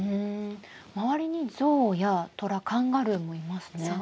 周りにゾウやトラカンガルーもいますね。